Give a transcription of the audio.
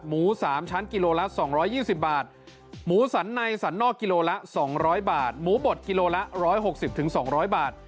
หมู๓ชั้นกิโลละ๒๒๐บาทหมูสันในสรรนอกกิโลละ๒๐๐บาทหมูบดกิโลละ๑๖๐๒๐๐บาท